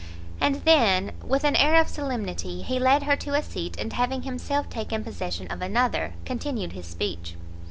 And then, with an air of solemnity, he led her to a seat, and having himself taken possession of another, continued his speech.